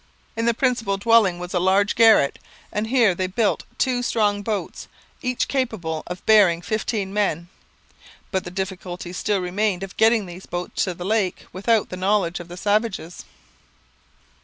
In the principal dwelling was a large garret, and here they built two strong boats, each capable of bearing fifteen men. But the difficulty still remained of getting these boats to the lake without the knowledge of the savages.